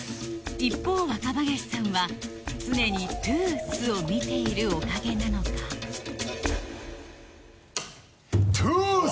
一方若林さんは常にトゥース！を見ているおかげなのかトゥース！